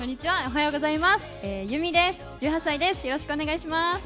よろしくお願いします。